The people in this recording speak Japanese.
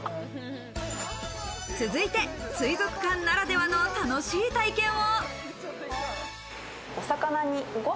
続いて水族館ならではの楽しい体験を。